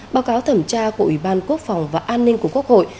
báo cáo thẩm tra của ủy ban quốc phòng và an ninh của quốc hội